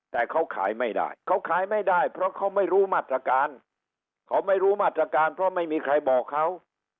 แต่เขาขายไม่ได้เขาขายไม่ได้เพราะเขาไม่รู้มาตรการเขาไม่รู้มาตรการเพราะไม่มีใครบอกเขา